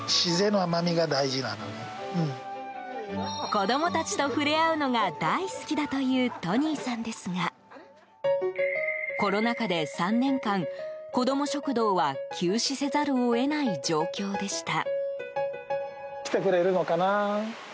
子供たちと触れ合うのが大好きだというトニーさんですがコロナ禍で、３年間こども食堂は休止せざるを得ない状況でした。